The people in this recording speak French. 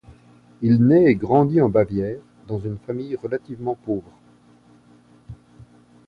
Il naît et grandit en Bavière, dans une famille relativement pauvre.